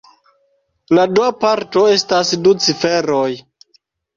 La dua parto estas du ciferoj.